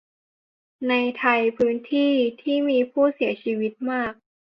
ในไทยพื้นที่ที่มีผู้เสียชีวิตมาก